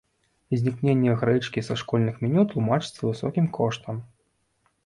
Знікненне грэчкі са школьных меню тлумачыцца высокім коштам.